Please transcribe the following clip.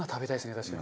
確かに。